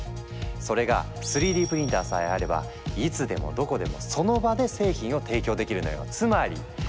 それが３Ｄプリンターさえあればいつでもどこでもその場で製品を提供できるのよ。